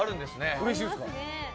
うれしいですか？